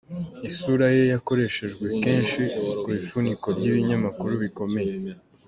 Isura ye yakoreshejwe kenshi ku bifuniko by’ibinyamakuru bikomeye.